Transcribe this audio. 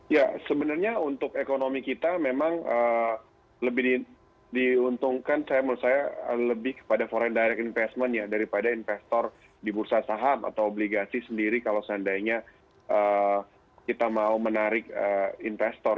ya sebenarnya untuk ekonomi kita memang lebih diuntungkan saya menurut saya lebih kepada foreign direct investment ya daripada investor di bursa saham atau obligasi sendiri kalau seandainya kita mau menarik investor